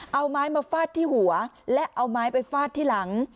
เอาไม้มาฟาดที่หัวและเอาไม้ไปฟาดที่หลัง